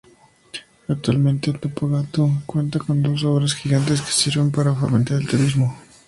Actualmente, Tupungato cuenta con dos obras gigantes que sirven para fomentar el turismo.